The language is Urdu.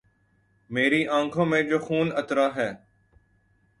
میری آنکھوں میں جو خون اترا ہے